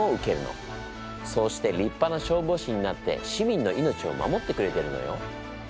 そうしてりっぱな消防士になって市民の命を守ってくれてるのよ。